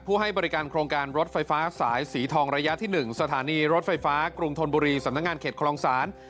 ให้บริการโครงการรถไฟฟ้าสายสีทองระยะที่๑สถานีรถไฟฟ้ากรุงธนบุรีสำนักงานเขตคลองศาล